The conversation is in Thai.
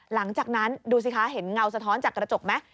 หลังจากนั้นดูสิคะเห็นเงาสะท้อนจากกระจกไหม